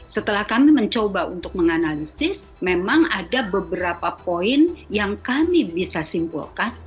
setelah kami mencoba untuk menganalisis memang ada beberapa poin yang kami bisa simpulkan